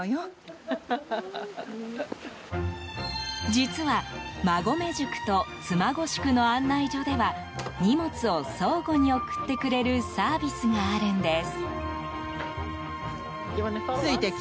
実は馬籠宿と妻籠宿の案内所では荷物を相互に送ってくれるサービスがあるんです。